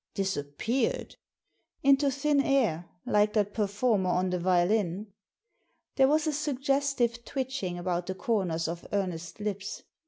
" Disappeared ?".Into thin air, like that performer on the violin." There was a suggestive twitching about the corners of Ernest's lips.